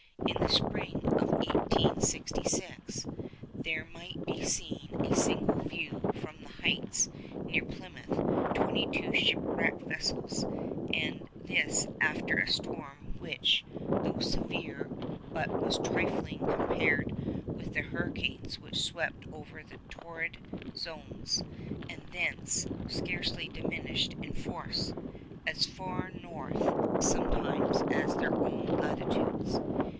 In the spring of 1866 there might be seen at a single view from the heights near Plymouth twenty two shipwrecked vessels, and this after a storm which, though severe, was but trifling compared with the hurricanes which sweep over the torrid zones, and thence—scarcely diminished in force—as far north sometimes as our own latitudes.